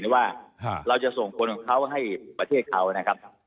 ว่าเราจะส่งคนของเขาให้ประเทศเขานะครับ